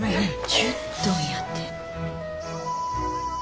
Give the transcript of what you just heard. １０トンやて！